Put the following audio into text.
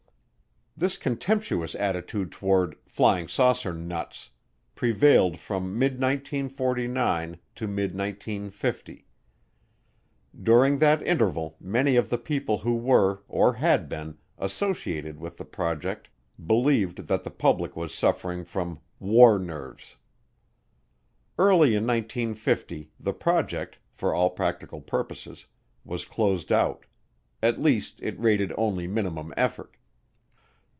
This contemptuous attitude toward "flying saucer nuts" prevailed from mid 1949 to mid 1950. During that interval many of the people who were, or had been, associated with the project believed that the public was suffering from "war nerves." Early in 1950 the project, for all practical purposes, was closed out; at least it rated only minimum effort.